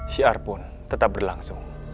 syiar pun tetap berlangsung